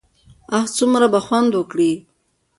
اه څومره به خوند وکړي.